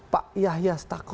pak yahya sendiri